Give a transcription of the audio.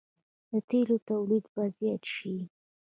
د تیلو تولید به زیات شي.